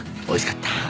おいしかった。